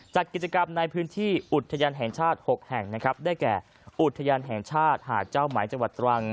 จัดกิจกรรมในพื้นที่อุทยานแห่งชาติ๖แห่งนะครับได้แก่อุทยานแห่งชาติหาดเจ้าไหมจังหวัดตรัง